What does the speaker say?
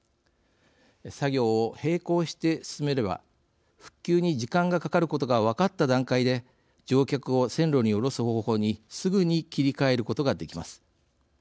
作業を並行して進めれば復旧に時間がかかることが分かった段階で乗客を線路に降ろす方法にすぐに切り替えることができます。